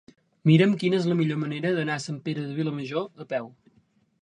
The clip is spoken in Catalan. Mira'm quina és la millor manera d'anar a Sant Pere de Vilamajor a peu.